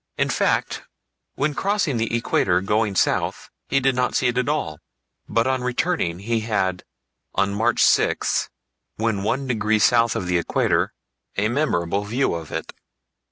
In fact, when crossing the equator going south he did not see it at all; but on returning he had, on March 6th, when one degree south of the equator, a memorable view of it.